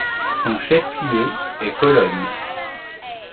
Son chef-lieu est Cologne.